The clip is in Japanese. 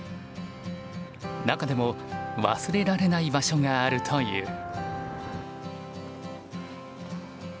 中でも忘れられない場所があるという。